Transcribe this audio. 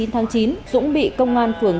một mươi chín tháng chín dũng bị công an phường